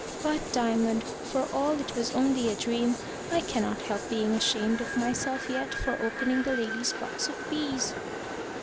But, Diamond, for all it was only a dream, I cannot help being ashamed of myself yet for opening the lady's box of bees."